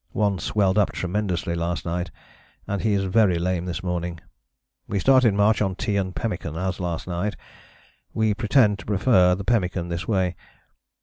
One swelled up tremendously last night and he is very lame this morning. We started march on tea and pemmican as last night we pretend to prefer the pemmican this way.